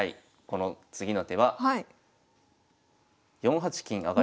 この次の手は４八金上。